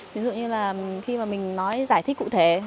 ví dụ như là khi mà mình nói giải thích cụ thể